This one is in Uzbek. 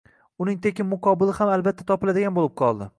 uning tekin muqobili ham albatta topiladigan bo’lib qoldi